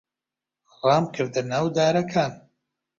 ڕامکردە ناو دارەکان.